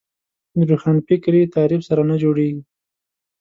د روښانفکري تعریف سره نه جوړېږي